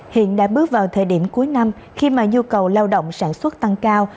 hiện đã bước vào thời điểm cuối năm khi mà nhu cầu lao động sản xuất tăng cao